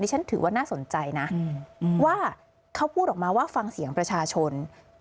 ฉันถือว่าน่าสนใจนะว่าเขาพูดออกมาว่าฟังเสียงประชาชน